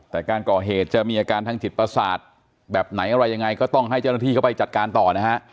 แต่การก่อเหตุจะมีอาการทางจิตประสาทแบบไหนอะไรยังไงก็ต้องให้เจ้าหน้าที่เข้าไปจัดการต่อนะฮะ